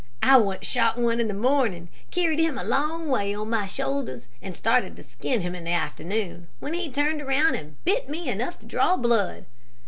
I once shot one in the morning, carried him a long way on my shoulders, and started to skin him in the afternoon, when he turned around and bit me enough to draw blood.